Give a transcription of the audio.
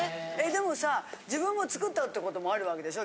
でもさ自分も作ったってこともあるわけでしょ？